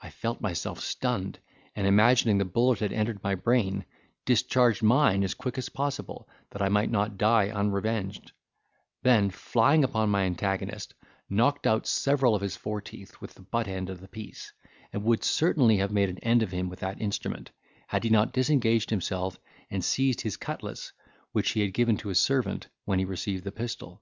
I felt myself stunned, and imagining the bullet had entered my brain, discharged mine as quick as possible, that I might not die unrevenged: then flying upon my antagonist, knocked out several of his fore teeth with the butt end of the piece, and would certainly have made an end of him with that instrument, had he not disengaged himself, and seized his cutlass, which he had given to his servant when he received the pistol.